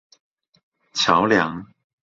橋梁